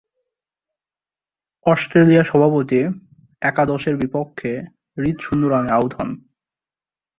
Australia সভাপতি একাদশের বিপক্ষে রিড শূন্য রানে আউট হন।